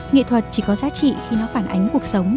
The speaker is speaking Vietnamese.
nghệ thuật chỉ có giá trị khi nó phản ánh cuộc sống